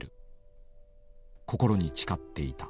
心に誓っていた。